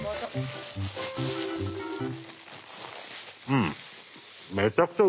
うん！